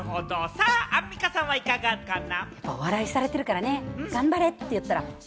アンミカさんは、いかがかな？